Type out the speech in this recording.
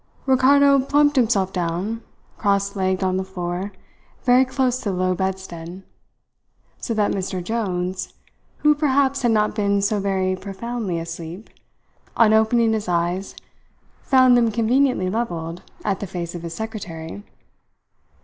Ricardo plumped himself down cross legged on the floor, very close to the low bedstead; so that Mr. Jones who perhaps had not been so very profoundly asleep on opening his eyes found them conveniently levelled at the face of his secretary.